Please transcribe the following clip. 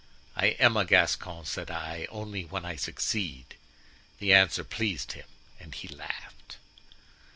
"'I am a Gascon,' said I, 'only when I succeed.' The answer pleased him and he laughed.